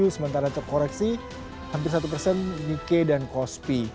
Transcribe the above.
sementara terkoreksi hampir satu persen nike dan kospi